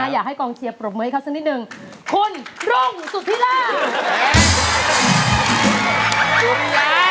อยากให้กองเชียร์ปรบมือให้เขาสักนิดหนึ่งคุณรุ่งสุธิราช